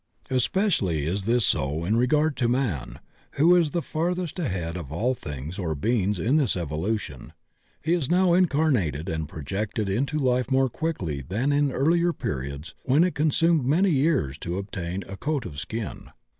Especially is this so in regard to man, who is the farthest ahead of all things or beings in this evolution. He is now incarnated and projected into life more quickly than in earlier periods when it consumed many years to obtain a ''coat of skin."